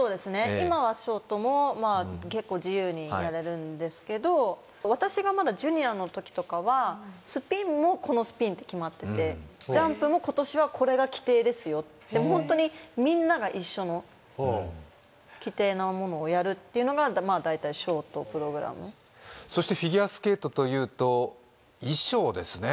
今はショートも結構自由にやれるんですけど私がまだジュニアのときとかはスピンもこのスピンって決まっててジャンプも今年はこれが規定ですよってホントにみんなが一緒の規定のものをやるっていうのが大体ショートプログラムそしてフィギュアスケートというと衣装ですね